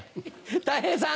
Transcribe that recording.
たい平さん。